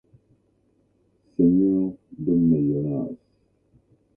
Seigneur de Meillonnas.